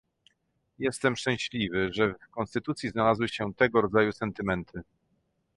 Jestem szczęśliwy, że w konstytucji znalazły się tego rodzaju sentymenty